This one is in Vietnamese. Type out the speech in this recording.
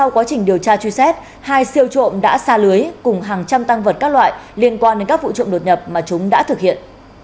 quá trình điều tra truy xét hai siêu trộm đã xa lưới cùng hàng trăm tăng vật các loại liên quan đến các vụ trộm đột nhập mà chúng đã thực hiện